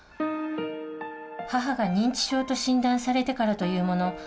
母が認知症と診断されてからというもの